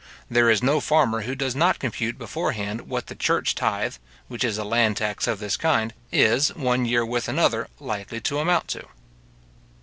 There is no farmer who does not compute beforehand what the church tythe, which is a land tax of this kind, is, one year with another, likely to amount to.